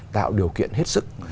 tạo điều kiện hết sức